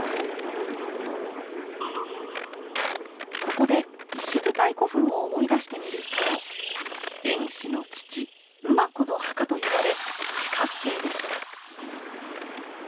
ここで石舞台古墳を思い出してみると蝦夷の父・馬子の墓と言われ四角形でした。